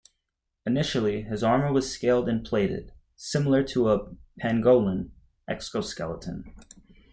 Initially, his armor was scaled and plated, similar to a pangolin exoskeleton.